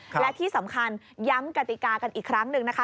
และที่สำคัญย้ำกติกากันอีกครั้งหนึ่งนะคะ